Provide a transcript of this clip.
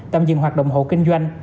tạm dừng hoạt động hộ kinh doanh